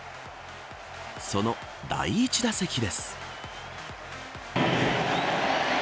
その第１打席です。